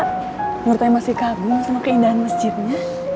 menurut saya masih kagum sama keindahan masjidnya